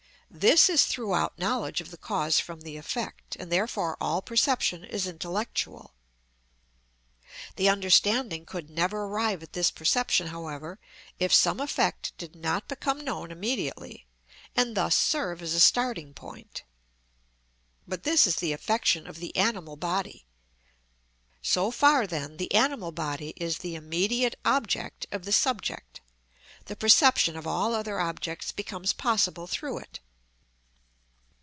This is throughout knowledge of the cause from the effect, and therefore all perception is intellectual. The understanding could never arrive at this perception, however, if some effect did not become known immediately, and thus serve as a starting point. But this is the affection of the animal body. So far, then, the animal body is the immediate object of the subject; the perception of all other objects becomes possible through it.